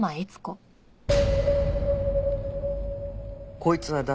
こいつは誰？